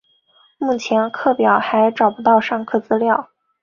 目前课表还找不到上课资料